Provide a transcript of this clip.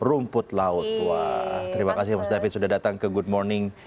rumput laut wah terima kasih mas david sudah datang ke good morning